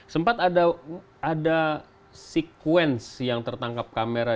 sempat ada sekuensi yang tertangkap kamera